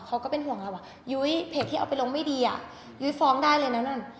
ก็เป็นห่วงเราว่ายุ้ยเพจที่เอาไปลงไม่ดีอ่ะยุ้ยฟ้องได้เลยนะนั่น